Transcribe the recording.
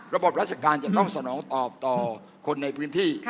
ระบบราชการจะต้องสนองตอบต่อคนในพื้นที่